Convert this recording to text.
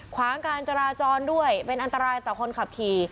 ขวางการจราจรด้วยเป็นอันตรายต่อคนขับขี่